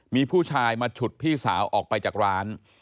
มีผู้ชายมาฉุดพี่สาวออกไปจากร้าน